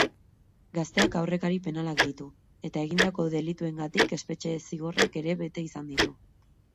Gazteak aurrekari penalak ditu, eta egindako delituengatik espetxe-zigorrak ere bete izan ditu.